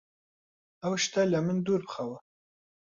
ئەو شتە لە من دوور بخەوە!